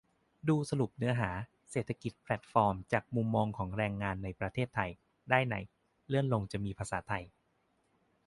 ดูสรุปเนื้อหา "เศรษฐกิจแพลตฟอร์มจากมุมมองของแรงงานในประเทศไทย" ได้ใน เลื่อนลงจะมีภาษาไทย